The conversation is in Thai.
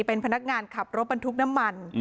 เป็นพนักงานขับรถบรรทุกน้ำมัน